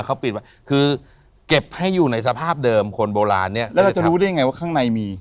เขาปิดไว้คือเก็บให้อยู่ในสภาพเดิมคนโบราณเนี้ยแล้วเราจะรู้ได้ยังไงว่าข้างในมี